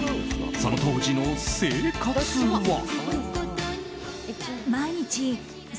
その当時の生活は。